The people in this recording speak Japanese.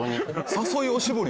誘いおしぼり